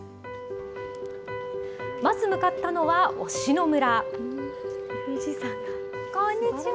まず向かったのは忍野村。